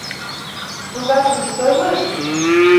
Тугайым ит ойлышт...